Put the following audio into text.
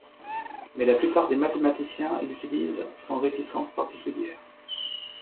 Mais la plupart des mathématiciens l'utilisent sans réticence particulière.